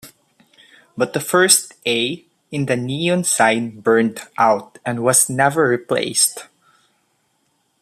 But the first "a" in the neon sign burned out and was never replaced.